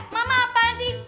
mama apaan sih